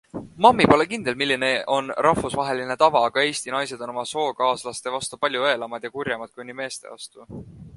Mammi pole kindel, milline on rahvusvaheline tava, aga Eesti naised on oma sookaaslaste vastu palju õelamad ja kurjemad kui meeste vastu.